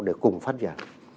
để cùng phát triển